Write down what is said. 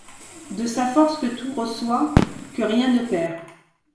De sa force que tout reçoit, que rien ne perd